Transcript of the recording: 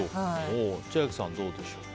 千秋さん、どうでしょうか。